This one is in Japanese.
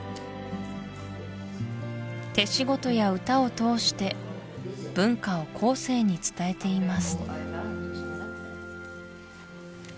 手仕事や歌を通して文化を後世に伝えています